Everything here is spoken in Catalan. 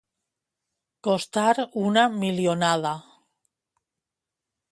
Costar una milionada.